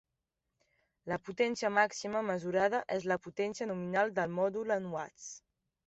La potència màxima mesurada és la potència nominal del mòdul en Watts.